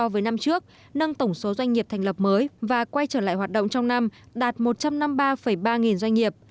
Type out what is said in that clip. với năm trước nâng tổng số doanh nghiệp thành lập mới và quay trở lại hoạt động trong năm đạt một trăm năm mươi ba ba nghìn doanh nghiệp